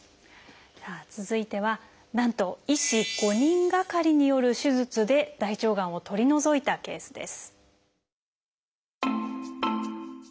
続いてはなんと医師５人がかりによる手術で大腸がんを取り除いたケースです。